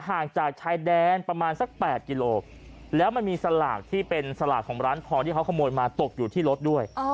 ห่างจากชายแดนประมาณสัก๘กิโลแล้วมันมีสลากที่เป็นสลากของร้านทองที่เขาขโมยมาตกอยู่ที่รถด้วย